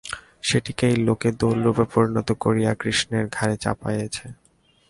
সেইটিকেই লোকে দোলরূপে পরিণত করিয়া কৃষ্ণের ঘাড়ে চাপাইয়াছে।